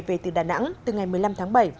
về từ đà nẵng từ ngày một mươi năm tháng bảy